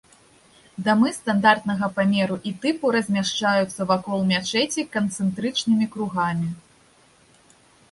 Дамы стандартнага памеру і тыпу размяшчаюцца вакол мячэці канцэнтрычнымі кругамі.